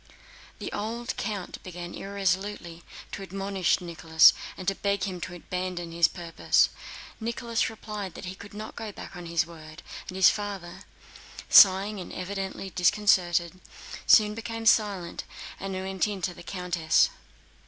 The old count began irresolutely to admonish Nicholas and beg him to abandon his purpose. Nicholas replied that he could not go back on his word, and his father, sighing and evidently disconcerted, very soon became silent and went in to the countess.